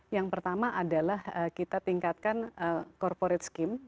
yang pertama adalah kita tingkatkan corporate skim